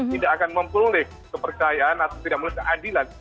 tidak akan memperoleh kepercayaan atau tidak memperoleh keadilan